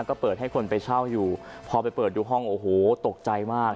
ก็เปิดให้คนไปเช่าอยู่พอไปเปิดดูห้องโอ้โหตกใจมาก